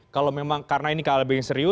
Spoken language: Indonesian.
kalau memang karena ini klb yang serius